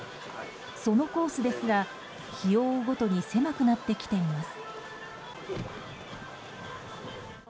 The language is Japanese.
そのコースですら日を追うごとに狭くなってきています。